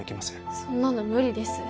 そんなの無理です。